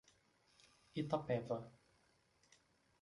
Itapeva